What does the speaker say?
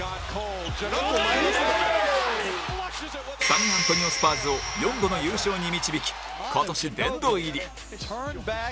サンアントニオ・スパーズを４度の優勝に導き今年殿堂入り